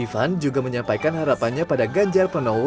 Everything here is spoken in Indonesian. ivan juga menyampaikan harapannya pada ganjar pranowo